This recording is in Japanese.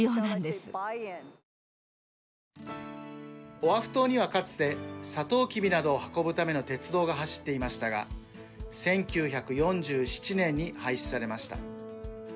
オアフ島にはかつてサトウキビなどを運ぶための鉄道が走っていましたが１９４７年に廃止されました。